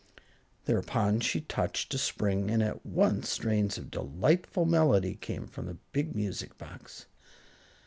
Thereupon she touched a spring, and at once strains of delightful melody came from the big music box.